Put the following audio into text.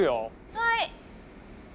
はい！